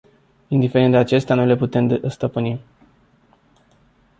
Indiferent de acestea, noi le putem stăpâni.